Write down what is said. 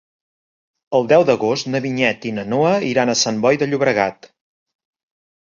El deu d'agost na Vinyet i na Noa iran a Sant Boi de Llobregat.